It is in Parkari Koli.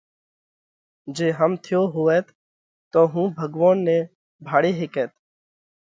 جي هم ٿيو هوئت تو هُون ڀڳوونَ نئہ ڀاۯي هيڪئت